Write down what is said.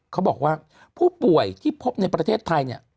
เขาบอกว่าผู้ป่วยที่พบในประเทศไทยเนี่ย